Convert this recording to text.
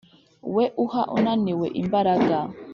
we uha unaniwe imbaraga